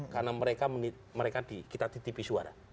karena mereka kita titipi suara